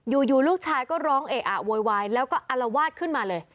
อยู่ลูกชายก็ร้องเออะโวยวายแล้วก็อลวาดขึ้นมาเลย